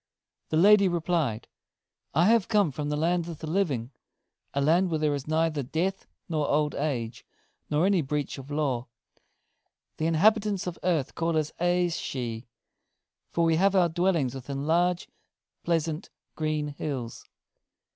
The lady replied: "I have come from the Land of the Living a land where there is neither death nor old age, nor any breach of law. The inhabitants of earth call us Aes shee, for we have our dwellings within large, pleasant, green hills.